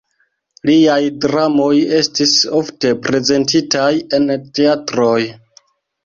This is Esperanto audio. Liaj dramoj estis ofte prezentitaj en teatroj.